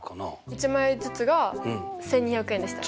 １枚ずつが１２００円でしたっけ？